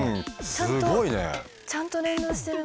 ちゃんとちゃんと連動してる。